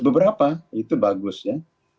beberapa itu bagus ya